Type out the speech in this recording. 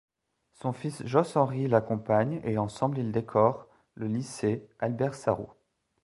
Son fils Jos Henri l'accompagne et ensemble ils décorent le lycée Albert-Sarraut.